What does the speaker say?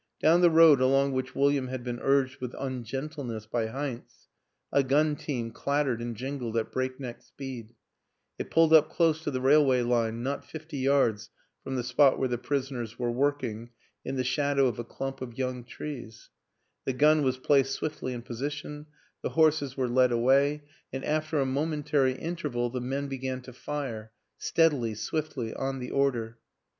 Down the road along which Wil liam had been urged with ungentleness by Heinz a gun team clattered and jingled at breakneck speed; it pulled up close to the railway line, not fifty yards from the spot where the prisoners were working in the shadow of a clump of young trees ; the gun was placed swiftly in position, the horses were led away and after a momentary interval the men began to fire steadily, swiftly, on the or der.